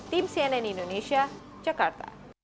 tim cnn indonesia jakarta